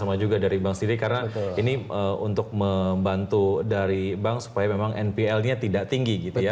sama juga dari bank siri karena ini untuk membantu dari bank supaya memang npl nya tidak tinggi gitu ya